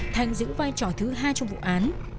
thành giữ vai trò thứ hai trong vụ án